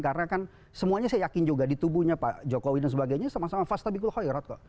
karena kan semuanya saya yakin juga di tubuhnya pak jokowi dan sebagainya sama sama fasta bikul hoirat kok